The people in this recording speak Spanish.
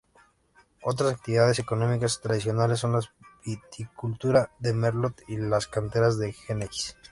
Otras actividades económicas tradicionales son la viticultura de Merlot y las canteras de Gneis.